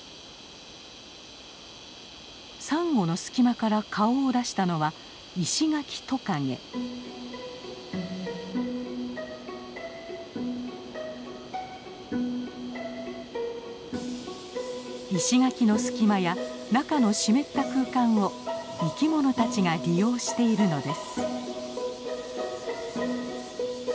サンゴの隙間から顔を出したのは石垣の隙間や中の湿った空間を生きものたちが利用しているのです。